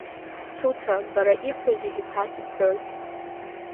Цуца, бара ибҳәо зегь цас ибҳәоит…